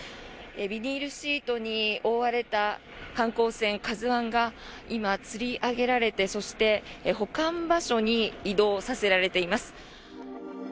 ビニールシートに覆われた観光船「ＫＡＺＵ１」が今、つり上げられてそして、保管場所に移動させられています。